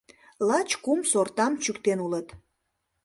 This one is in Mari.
Лач кум сортам чӱктен улыт.